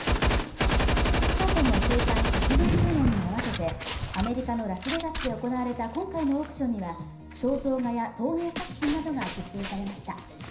ピカソの生誕１４０年に合わせて、アメリカのラスベガスで行われた今回のオークションには肖像画や陶芸作品などが出品されました。